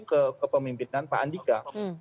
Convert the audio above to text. ke kepemimpinan pak andika